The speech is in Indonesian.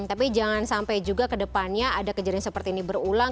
tapi jangan sampai juga kedepannya ada kejadian seperti ini berulang